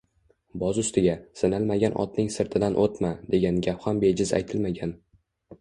Boz ustiga, sinalmagan otning sirtidan o‘tma, degan gap ham bejiz aytilmagan